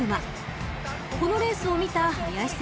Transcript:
［このレースを見た林先生は］